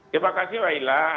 terima kasih waila